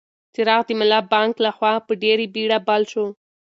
څراغ د ملا بانګ لخوا په ډېرې بېړه بل شو.